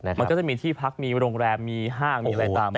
มันก็จะมีที่พักมีโรงแรมมีห้างมีอะไรตาม